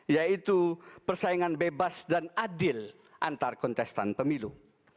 yaitu persaingan bebas dan adil antar kontestan pemilu